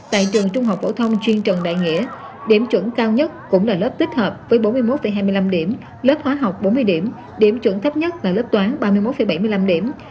tại trường trung học phổ thông chuyên trần đại nghĩa điểm chuẩn cao nhất cũng là lớp tích hợp với bốn mươi một hai mươi năm điểm lớp khóa học bốn mươi điểm điểm chuẩn thấp nhất là lớp toán ba mươi một bảy mươi năm điểm